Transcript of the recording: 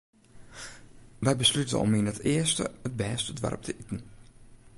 Wy beslute om yn it earste it bêste doarp te iten.